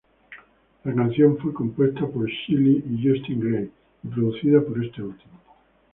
La canción fue compuesta por Seeley y Justin Gray, y producida por este último.